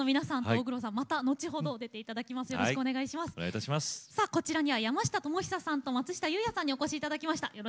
さあこちらには山下智久さんと松下優也さんにお越し頂きました。